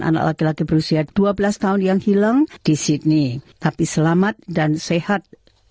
anak laki laki berusia dua belas tahun yang hilang di sydney tapi selamat dan sehat